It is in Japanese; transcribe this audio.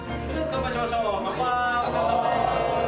乾杯！